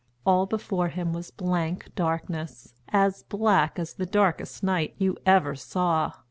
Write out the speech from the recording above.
All before him was blank darkness, as black as the darkest night you ever saw.